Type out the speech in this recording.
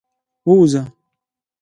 ووځه.